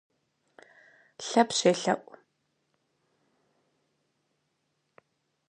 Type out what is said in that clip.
Лъэпщ елъэӀу.